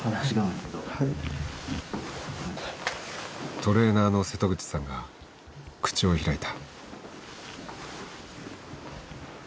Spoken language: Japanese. トレーナーの瀬戸口さんが口を開いた。